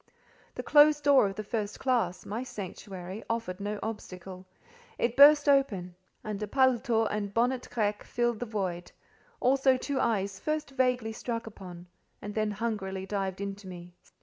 The closed door of the first classe—my sanctuary—offered no obstacle; it burst open, and a paletôt and a bonnet grec filled the void; also two eyes first vaguely struck upon, and then hungrily dived into me.